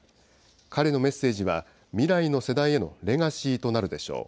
彼のメッセージは未来の世代へのレガシーとなるでしょう。